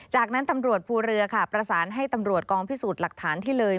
จากนั้นตำรวจภูเรือค่ะประสานให้ตำรวจกองพิสูจน์หลักฐานที่เลย